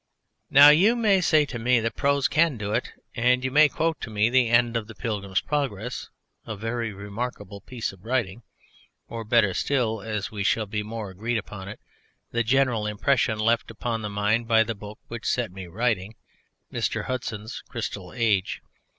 Now you may say to me that prose can do it, and you may quote to me the end of the Pilgrim's Progress, a very remarkable piece of writing. Or, better still, as we shall be more agreed upon it, the general impression left upon the mind by the book which set me writing Mr. Hudson's Crystal Age.